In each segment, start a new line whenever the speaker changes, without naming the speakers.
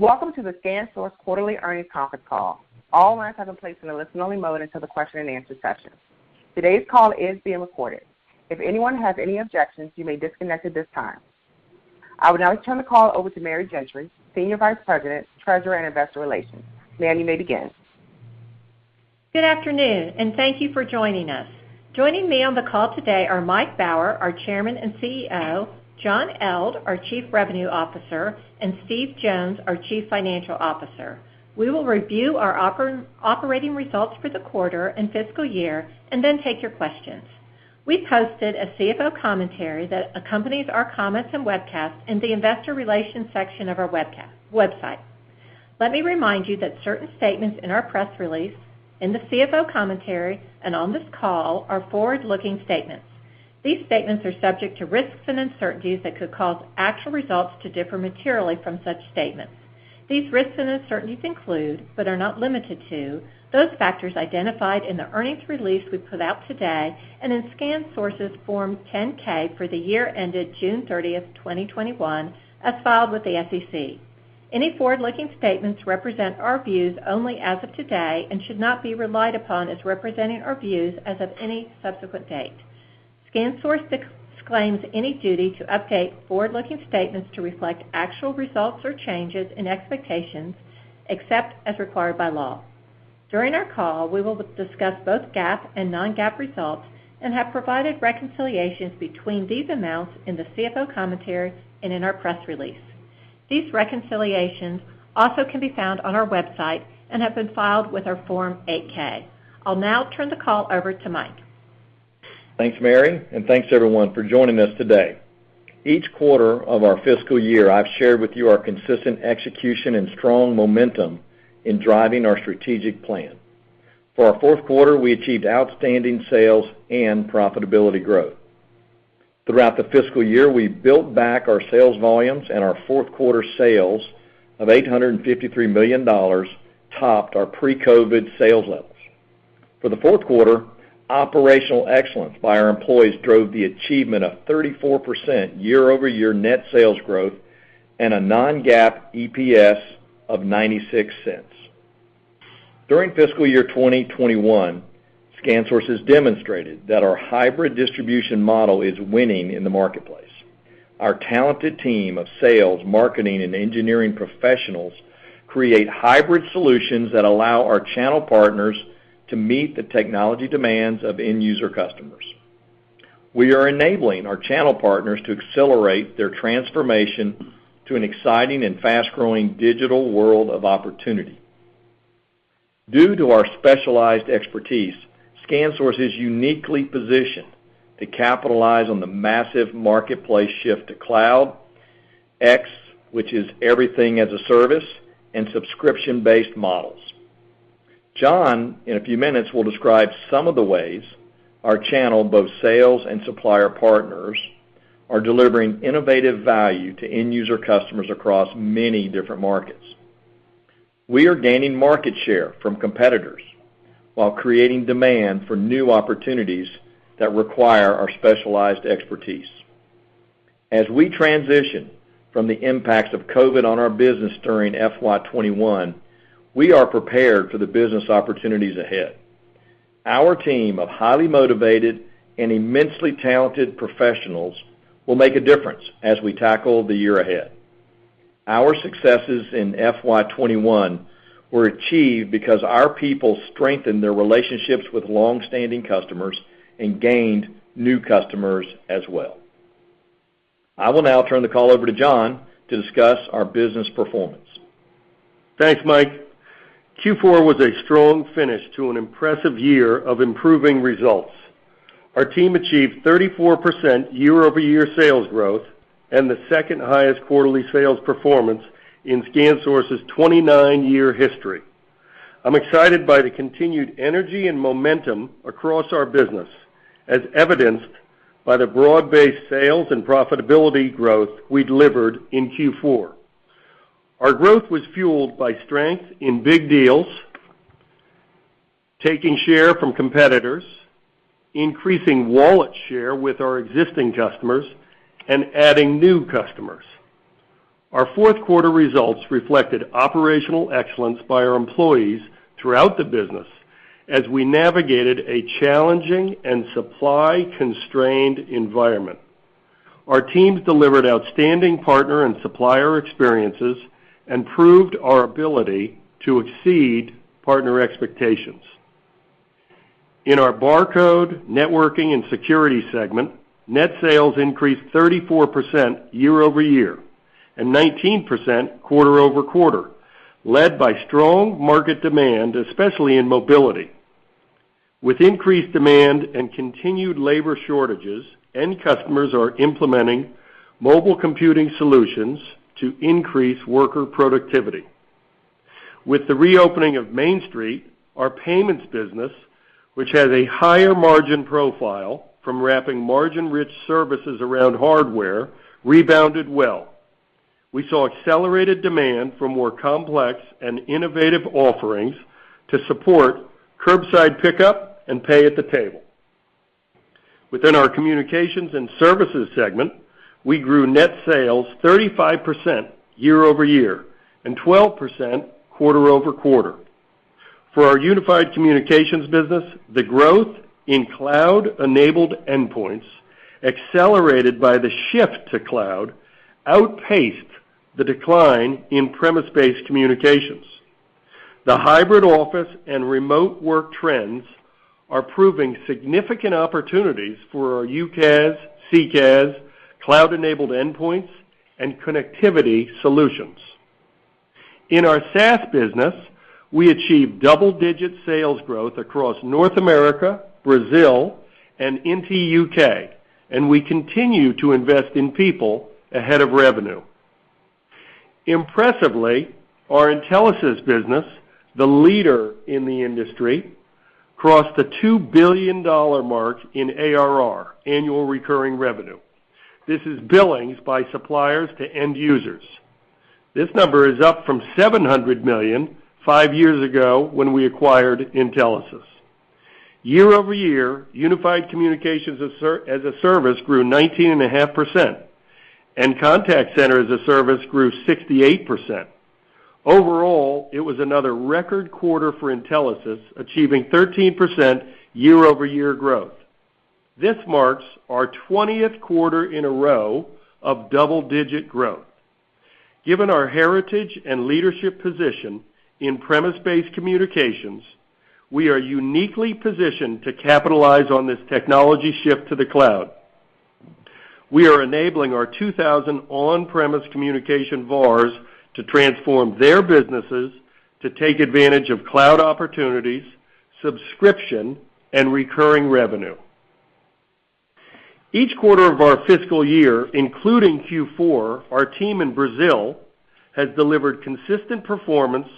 Welcome to the ScanSource quarterly earnings conference call. All lines have been placed in a listen-only mode until the question and answer session. Today's call is being recorded. If anyone has any objections, you may disconnect at this time. I would now like to turn the call over to Mary Gentry, Senior Vice President, Treasurer, and Investor Relations. Mary, you may begin.
Good afternoon, and thank you for joining us. Joining me on the call today are Mike Baur, our Chairman and CEO, John Eldh, our Chief Revenue Officer, and Steve Jones, our Chief Financial Officer. We will review our operating results for the quarter and fiscal year, and then take your questions. We posted a CFO commentary that accompanies our comments and webcast in the investor relations section of our website. Let me remind you that certain statements in our press release, in the CFO commentary, and on this call are forward-looking statements. These statements are subject to risks and uncertainties that could cause actual results to differ materially from such statements. These risks and uncertainties include, but are not limited to, those factors identified in the earnings release we put out today and in ScanSource's Form 10-K for the year ended June 30th, 2021, as filed with the SEC. Any forward-looking statements represent our views only as of today and should not be relied upon as representing our views as of any subsequent date. ScanSource disclaims any duty to update forward-looking statements to reflect actual results or changes in expectations, except as required by law. During our call, we will discuss both GAAP and non-GAAP results and have provided reconciliations between these amounts in the CFO commentary and in our press release. These reconciliations also can be found on our website and have been filed with our Form 8-K. I'll now turn the call over to Mike.
Thanks, Mary, and thanks everyone for joining us today. Each quarter of our fiscal year, I've shared with you our consistent execution and strong momentum in driving our strategic plan. For our fourth quarter, we achieved outstanding sales and profitability growth. Throughout the fiscal year, we built back our sales volumes, and our fourth quarter sales of $853 million topped our pre-COVID sales levels. For the fourth quarter, operational excellence by our employees drove the achievement of 34% year-over-year net sales growth and a non-GAAP EPS of $0.96. During fiscal year 2021, ScanSource has demonstrated that our hybrid distribution model is winning in the marketplace. Our talented team of sales, marketing, and engineering professionals create hybrid solutions that allow our channel partners to meet the technology demands of end user customers. We are enabling our channel partners to accelerate their transformation to an exciting and fast-growing digital world of opportunity. Due to our specialized expertise, ScanSource is uniquely positioned to capitalize on the massive marketplace shift to cloud, XaaS, which is everything as a service, and subscription-based models. John, in a few minutes, will describe some of the ways our channel, both sales and supplier partners, are delivering innovative value to end user customers across many different markets. We are gaining market share from competitors while creating demand for new opportunities that require our specialized expertise. As we transition from the impacts of COVID on our business during FY 2021, we are prepared for the business opportunities ahead. Our team of highly motivated and immensely talented professionals will make a difference as we tackle the year ahead. Our successes in FY 2021 were achieved because our people strengthened their relationships with long-standing customers and gained new customers as well. I will now turn the call over to John to discuss our business performance.
Thanks, Mike. Q4 was a strong finish to an impressive year of improving results. Our team achieved 34% year-over-year sales growth and the second highest quarterly sales performance in ScanSource's 29-year history. I'm excited by the continued energy and momentum across our business, as evidenced by the broad-based sales and profitability growth we delivered in Q4. Our growth was fueled by strength in big deals, taking share from competitors, increasing wallet share with our existing customers, and adding new customers. Our fourth quarter results reflected operational excellence by our employees throughout the business as we navigated a challenging and supply-constrained environment. Our teams delivered outstanding partner and supplier experiences and proved our ability to exceed partner expectations. In our barcode, networking, and security segment, net sales increased 34% year-over-year and 19% quarter-over-quarter, led by strong market demand, especially in mobility. With increased demand and continued labor shortages, end customers are implementing mobile computing solutions to increase worker productivity. With the reopening of Main Street, our payments business, which has a higher margin profile from wrapping margin-rich services around hardware, rebounded well. We saw accelerated demand for more complex and innovative offerings to support curbside pickup and pay at the table. Within our communications and services segment, we grew net sales 35% year-over-year and 12% quarter-over-quarter. Our unified communications business, the growth in cloud-enabled endpoints accelerated by the shift to cloud, outpaced the decline in premise-based communications. The hybrid office and remote work trends are proving significant opportunities for our UCaaS, CCaaS, cloud-enabled endpoints, and connectivity solutions. Our SaaS business, we achieved double-digit sales growth across North America, Brazil, and into U.K., and we continue to invest in people ahead of revenue. Impressively, our Intelisys business, the leader in the industry, crossed the $2 billion mark in ARR, annual recurring revenue. This is billings by suppliers to end users. This number is up from $700 million five years ago when we acquired Intelisys. Year-over-year, unified communications as a service grew 19.5%, and contact center as a service grew 68%. Overall, it was another record quarter for Intelisys, achieving 13% year-over-year growth. This marks our 20th quarter in a row of double-digit growth. Given our heritage and leadership position in premise-based communications, we are uniquely positioned to capitalize on this technology shift to the cloud. We are enabling our 2,000 on-premise communication VARs to transform their businesses to take advantage of cloud opportunities, subscription, and recurring revenue. Each quarter of our fiscal year, including Q4, our team in Brazil has delivered consistent performance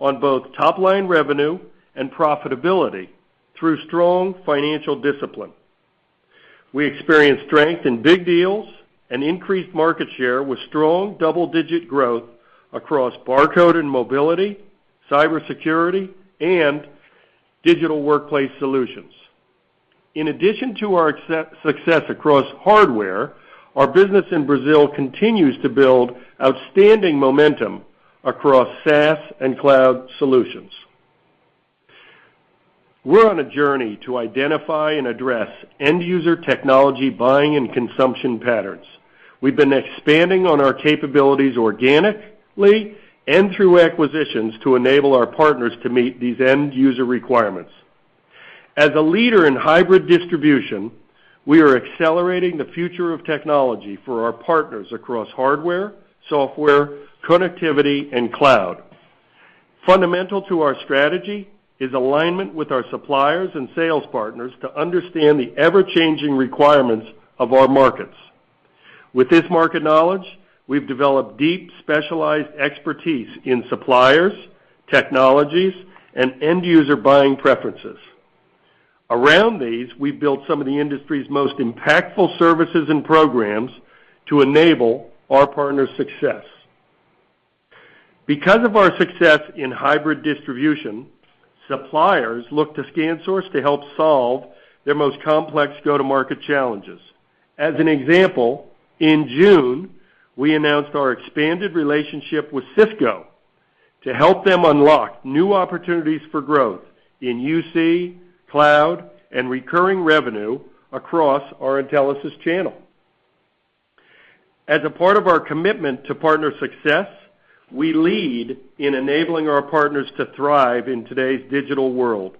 on both top-line revenue and profitability through strong financial discipline. We experienced strength in big deals and increased market share with strong double-digit growth across barcode and mobility, cybersecurity, and digital workplace solutions. In addition to our success across hardware, our business in Brazil continues to build outstanding momentum across SaaS and cloud solutions. We're on a journey to identify and address end user technology buying and consumption patterns. We've been expanding on our capabilities organically and through acquisitions to enable our partners to meet these end user requirements. As a leader in hybrid distribution, we are accelerating the future of technology for our partners across hardware, software, connectivity, and cloud. Fundamental to our strategy is alignment with our suppliers and sales partners to understand the ever-changing requirements of our markets. With this market knowledge, we've developed deep specialized expertise in suppliers, technologies, and end user buying preferences. Around these, we've built some of the industry's most impactful services and programs to enable our partners' success. Because of our success in hybrid distribution, suppliers look to ScanSource to help solve their most complex go-to-market challenges. As an example, in June, we announced our expanded relationship with Cisco to help them unlock new opportunities for growth in UC, cloud, and recurring revenue across our Intelisys channel. As a part of our commitment to partner success, we lead in enabling our partners to thrive in today's digital world.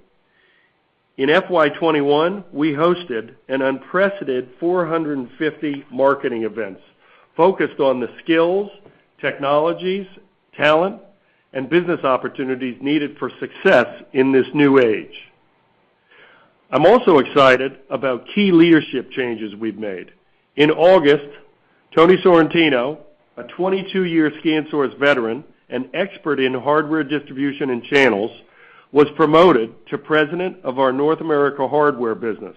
In FY2021, we hosted an unprecedented 450 marketing events focused on the skills, technologies, talent, and business opportunities needed for success in this new age. I'm also excited about key leadership changes we've made. In August, Tony Sorrentino, a 22-year ScanSource veteran and expert in hardware distribution and channels, was promoted to President of our North America hardware business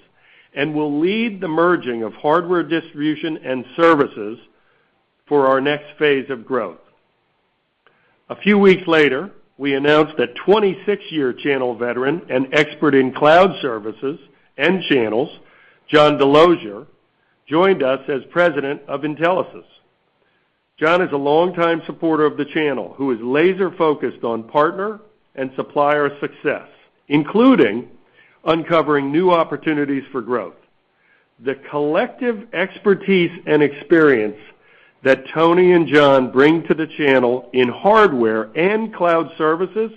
and will lead the merging of hardware distribution and services for our next phase of growth. A few weeks later, we announced that 26-year channel veteran and expert in cloud services and channels, John DeLozier, joined us as President of Intelisys. John is a longtime supporter of the channel who is laser-focused on partner and supplier success, including uncovering new opportunities for growth. The collective expertise and experience that Tony and John bring to the channel in hardware and cloud services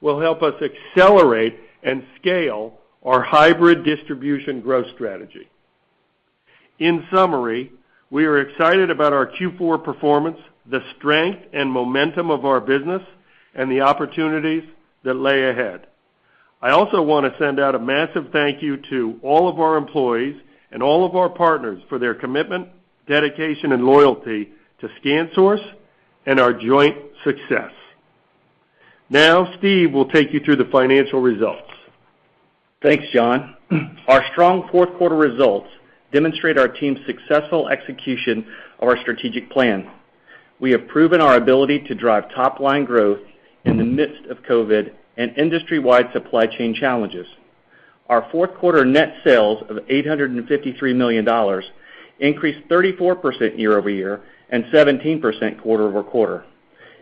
will help us accelerate and scale our hybrid distribution growth strategy. In summary, we are excited about our Q4 performance, the strength and momentum of our business, and the opportunities that lay ahead. I also want to send out a massive thank you to all of our employees and all of our partners for their commitment, dedication, and loyalty to ScanSource and our joint success. Now, Steve will take you through the financial results.
Thanks, John. Our strong fourth quarter results demonstrate our team's successful execution of our strategic plan. We have proven our ability to drive top-line growth in the midst of COVID and industry-wide supply chain challenges. Our fourth quarter net sales of $853 million increased 34% year-over-year and 17% quarter-over-quarter.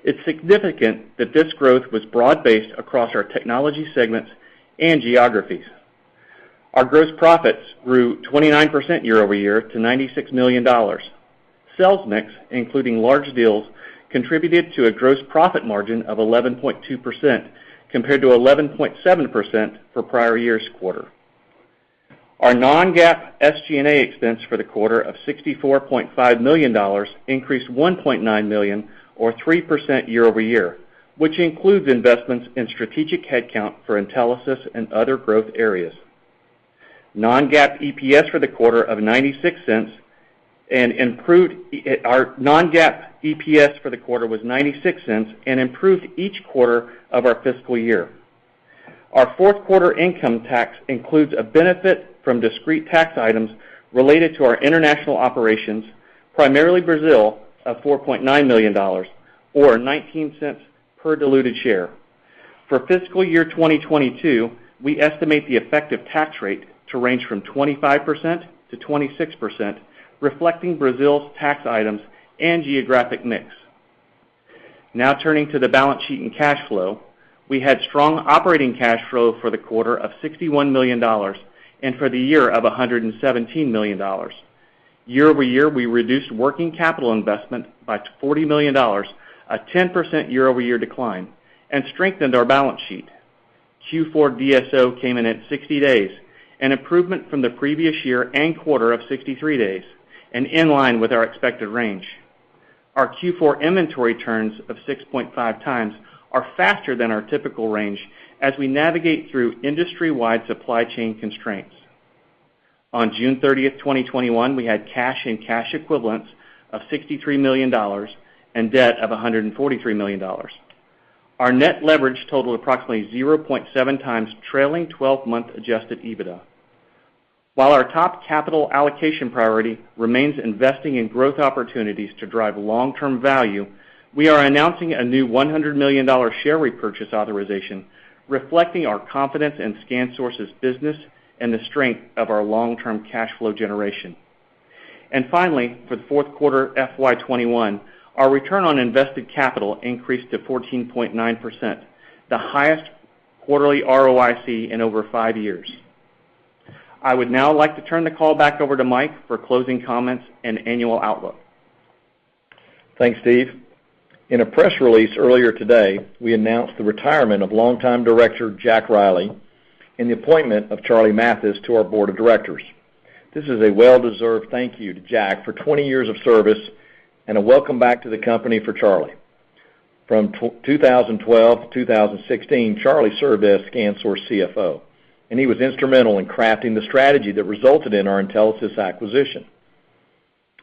It's significant that this growth was broad-based across our technology segments and geographies. Our gross profits grew 29% year-over-year to $96 million. Sales mix, including large deals, contributed to a gross profit margin of 11.2%, compared to 11.7% for prior year's quarter. Our non-GAAP SG&A expense for the quarter of $64.5 million increased $1.9 million or 3% year-over-year, which includes investments in strategic headcount for Intelisys and other growth areas. Non-GAAP EPS for the quarter was $0.96 and improved each quarter of our fiscal year. Our fourth quarter income tax includes a benefit from discrete tax items related to our international operations, primarily Brazil, of $4.9 million or $0.19 per diluted share. For fiscal year 2022, we estimate the effective tax rate to range from 25%-26%, reflecting Brazil's tax items and geographic mix. Now turning to the balance sheet and cash flow. We had strong operating cash flow for the quarter of $61 million and for the year of $117 million. Year-over-year, we reduced working capital investment by $40 million, a 10% year-over-year decline, and strengthened our balance sheet. Q4 DSO came in at 60 days, an improvement from the previous year and quarter of 63 days, and in line with our expected range. Our Q4 inventory turns of 6.5x are faster than our typical range as we navigate through industry-wide supply chain constraints. On June 30th, 2021, we had cash and cash equivalents of $63 million and debt of $143 million. Our net leverage totaled approximately 0.7x trailing 12-month adjusted EBITDA. While our top capital allocation priority remains investing in growth opportunities to drive long-term value, we are announcing a new $100 million share repurchase authorization, reflecting our confidence in ScanSource's business and the strength of our long-term cash flow generation. Finally, for the fourth quarter FY2021, our return on invested capital increased to 14.9%, the highest quarterly ROIC in over five years. I would now like to turn the call back over to Mike for closing comments and annual outlook.
Thanks, Steve. In a press release earlier today, we announced the retirement of longtime director Jack P. Reilly and the appointment of Charles A. Mathis to our board of directors. This is a well-deserved thank you to Jack for 20 years of service and a welcome back to the company for Charles. From 2012 to 2016, Charles served as ScanSource CFO, and he was instrumental in crafting the strategy that resulted in our Intelisys acquisition.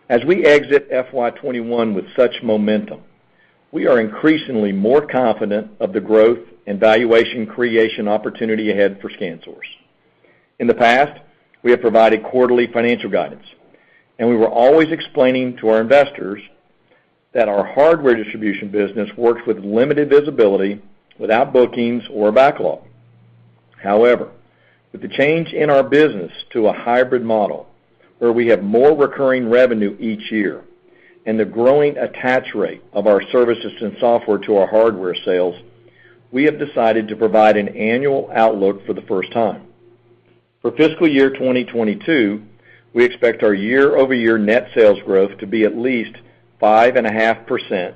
As we exit FY 2021 with such momentum, we are increasingly more confident of the growth and valuation creation opportunity ahead for ScanSource. In the past, we have provided quarterly financial guidance, and we were always explaining to our investors that our hardware distribution business works with limited visibility without bookings or backlog. However, with the change in our business to a hybrid model where we have more recurring revenue each year and the growing attach rate of our services and software to our hardware sales, we have decided to provide an annual outlook for the first time. For fiscal year 2022, we expect our year-over-year net sales growth to be at least 5.5%,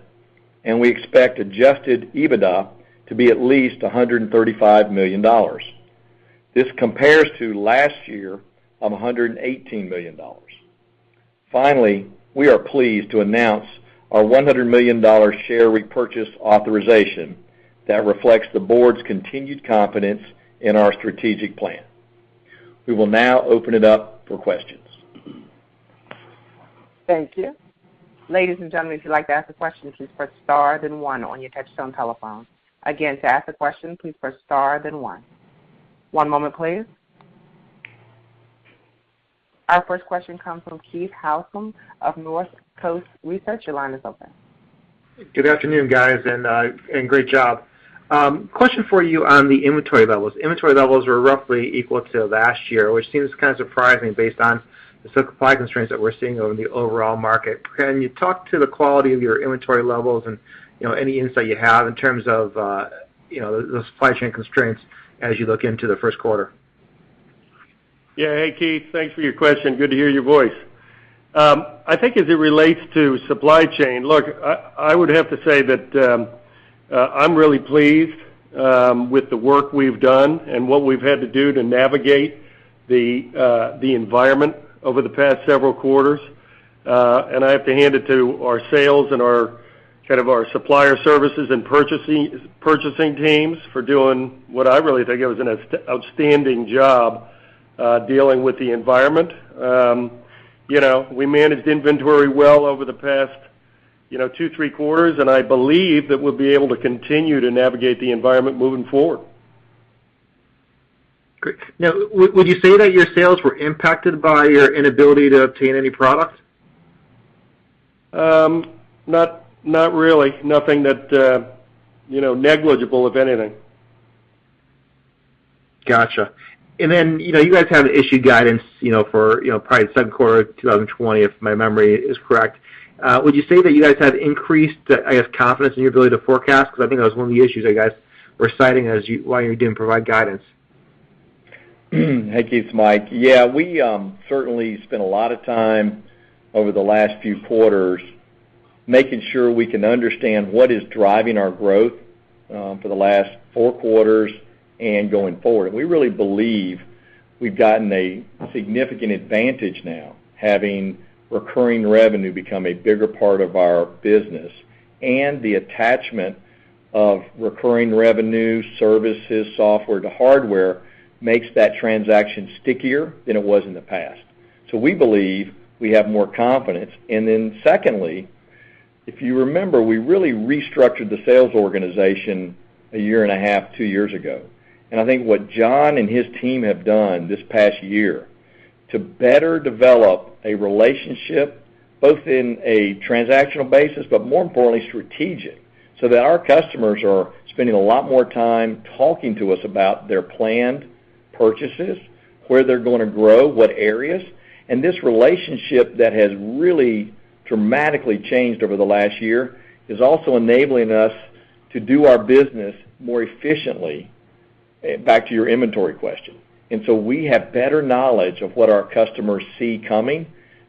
and we expect adjusted EBITDA to be at least $135 million. This compares to last year of $118 million. Finally, we are pleased to announce our $100 million share repurchase authorization that reflects the board's continued confidence in our strategic plan. We will now open it up for questions.
Thank you. One moment please. Our first question comes from Keith Housum of NorthCoast Research. Your line is open.
Good afternoon, guys, and great job. Question for you on the inventory levels. Inventory levels are roughly equal to last year, which seems kind of surprising based on the supply constraints that we're seeing over the overall market. Can you talk to the quality of your inventory levels and any insight you have in terms of the supply chain constraints as you look into the first quarter?
Yeah. Hey, Keith Housum. Thanks for your question. Good to hear your voice. I think as it relates to supply chain, look, I would have to say that I'm really pleased with the work we've done and what we've had to do to navigate the environment over the past several quarters. I have to hand it to our sales and our supplier services and purchasing teams for doing what I really think it was an outstanding job dealing with the environment. We managed inventory well over the past 2, 3 quarters, and I believe that we'll be able to continue to navigate the environment moving forward.
Now, would you say that your sales were impacted by your inability to obtain any product?
Not really. Nothing negligible, if anything.
Got you. You guys have issued guidance for probably second quarter 2020, if my memory is correct. Would you say that you guys have increased, I guess, confidence in your ability to forecast? Because I think that was one of the issues you guys were citing as why you didn't provide guidance.
Hey, Keith, it's Mike. Yeah, we certainly spent a lot of time over the last few quarters making sure we can understand what is driving our growth for the last four quarters and going forward. We really believe we've gotten a significant advantage now, having recurring revenue become a bigger part of our business. The attachment of recurring revenue, services, software to hardware makes that transaction stickier than it was in the past. We believe we have more confidence. Secondly, if you remember, we really restructured the sales organization a year and a half, two years ago. I think what John and his team have done this past year to better develop a relationship, both in a transactional basis, but more importantly, strategic, so that our customers are spending a lot more time talking to us about their planned purchases, where they're going to grow, what areas. This relationship that has really dramatically changed over the last year is also enabling us to do our business more efficiently, back to your inventory question. So we have better knowledge of what our customers see coming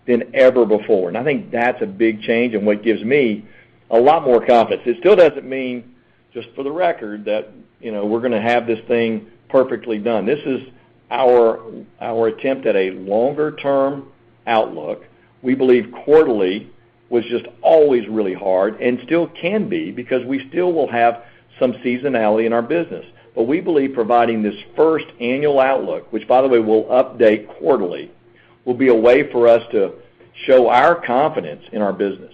than ever before. I think that's a big change and what gives me a lot more confidence. It still doesn't mean, just for the record, that we're going to have this thing perfectly done. This is our attempt at a longer-term outlook. We believe quarterly was just always really hard and still can be, because we still will have some seasonality in our business. We believe providing this first annual outlook, which by the way, we'll update quarterly, will be a way for us to show our confidence in our business.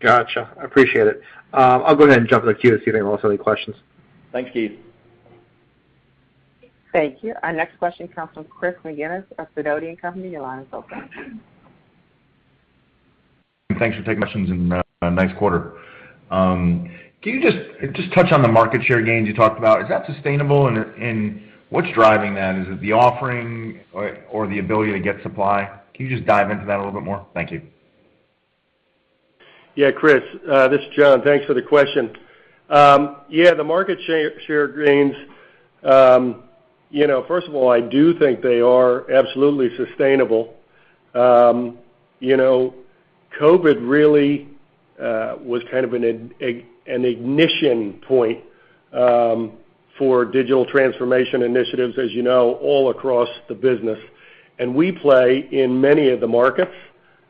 Got you. I appreciate it. I'll go ahead and jump to the queue and see if anyone else has any questions.
Thanks, Keith.
Thank you. Our next question comes from Christopher McGinnis of Sidoti & Company. Your line is open.
Thanks for taking my questions and nice quarter. Can you just touch on the market share gains you talked about? Is that sustainable and what's driving that? Is it the offering or the ability to get supply? Can you just dive into that a little bit more? Thank you.
Yeah, Chris, this is John. Thanks for the question. Yeah, the market share gains, first of all, I do think they are absolutely sustainable. COVID really was kind of an ignition point for digital transformation initiatives, as you know, all across the business. We play in many of the markets,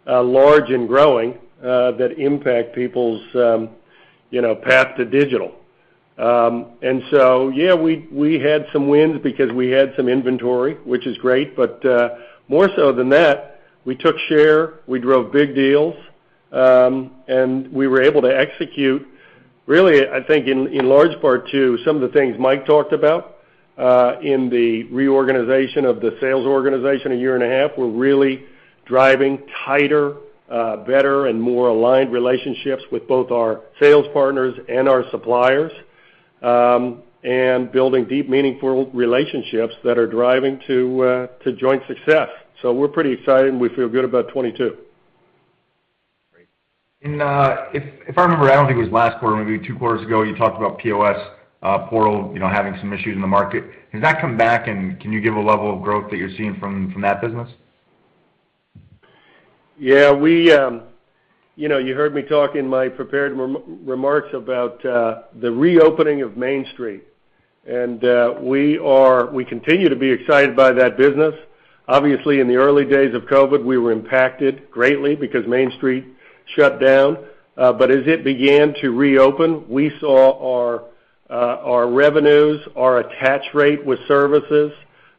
large and growing, that impact people's path to digital. Yeah, we had some wins because we had some inventory, which is great. More so than that, we took share, we drove big deals, and we were able to execute, really, I think in large part too, some of the things Mike talked about in the reorganization of the sales organization a year and a half. We're really driving tighter, better, and more aligned relationships with both our sales partners and our suppliers. Building deep, meaningful relationships that are driving to joint success. We're pretty excited, and we feel good about 2022.
Great. If I remember, I don't think it was last quarter, maybe two quarters ago, you talked about POS Portal having some issues in the market. Has that come back and can you give a level of growth that you're seeing from that business?
Yeah. You heard me talk in my prepared remarks about the reopening of Main Street. We continue to be excited by that business. Obviously, in the early days of COVID, we were impacted greatly because Main Street shut down. As it began to reopen, we saw our revenues, our attach rate with services,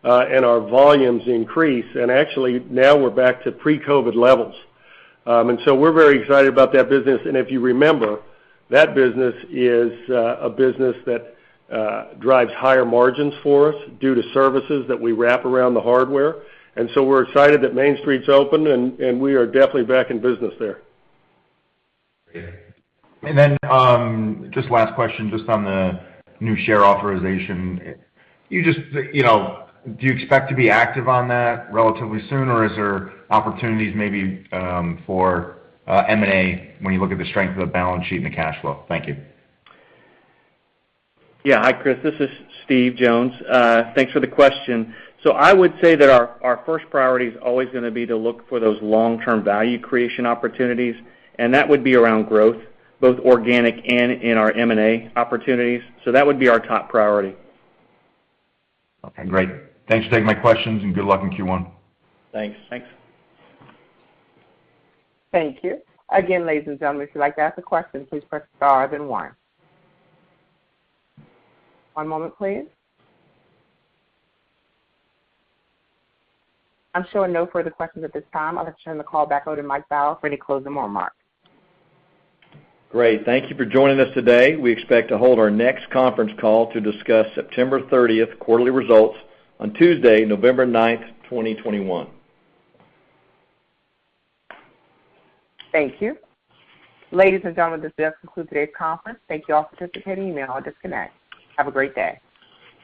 and our volumes increase, and actually now we're back to pre-COVID levels. We're very excited about that business. If you remember, that business is a business that drives higher margins for us due to services that we wrap around the hardware. We're excited that Main Street's open and we are definitely back in business there.
Great. Just last question just on the new share authorization, do you expect to be active on that relatively soon, or is there opportunities maybe for M&A when you look at the strength of the balance sheet and the cash flow? Thank you.
Hi, Chris. This is Steve Jones. Thanks for the question. I would say that our first priority is always going to be to look for those long-term value creation opportunities, and that would be around growth, both organic and in our M&A opportunities. That would be our top priority.
Okay, great. Thanks for taking my questions and good luck in Q1.
Thanks.
Thanks.
Thank you. Again, ladies and gentlemen, if you'd like to ask a question, please press star then one. One moment, please. I'm showing no further questions at this time. I'll just turn the call back over to Mike Baur for any closing remarks.
Great. Thank you for joining us today. We expect to hold our next conference call to discuss September 30th quarterly results on Tuesday, November 9th, 2021.
Thank you. Ladies and gentlemen, this does conclude today's conference. Thank you all for participating. You may now disconnect. Have a great day.